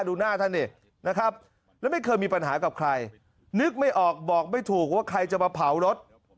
ดูหน้าท่านนี่นะครับแล้วไม่เคยมีปัญหากับใครนึกไม่ออกบอกไม่ถูกว่าใครจะมาเผารถ